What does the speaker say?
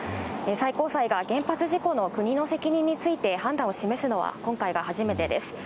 最高裁が原発事故の国の責任について、判断を示すのは、今回が初めてです。